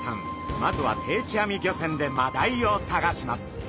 まずは定置網漁船でマダイを探します。